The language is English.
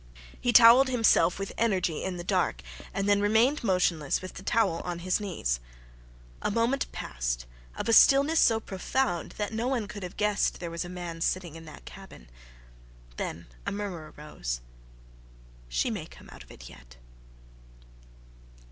He towelled himself with energy in the dark, and then remained motionless with the towel on his knees. A moment passed, of a stillness so profound that no one could have guessed there was a man sitting in that cabin. Then a murmur arose. "She may come out of it yet."